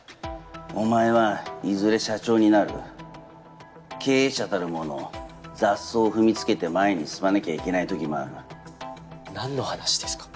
お前はいずれ社長になる経営者たる者雑草を踏みつけて前に進まなきゃいけない時もある何の話ですか？